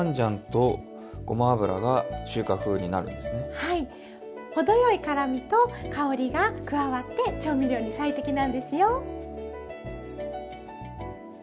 はい程よい辛みと香りが加わって調味料に最適なんですよ。